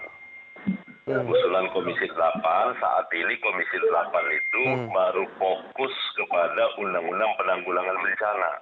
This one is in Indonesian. keseluruhan komisi telah berubah saat ini komisi telah berubah itu baru fokus kepada undang undang penanggulangan bencana